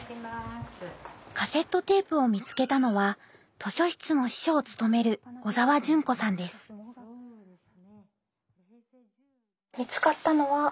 カセットテープを見つけたのは図書室の司書を務める見つかったのは。